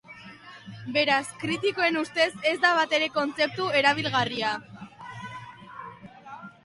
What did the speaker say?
Beraz, kritikoen ustez, ez da batere kontzeptu erabilgarria.